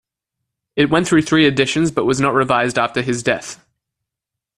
It went through three editions but was not revised after his death.